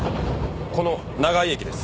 この長井駅です。